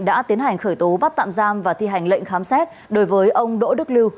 đã tiến hành khởi tố bắt tạm giam và thi hành lệnh khám xét đối với ông đỗ đức lưu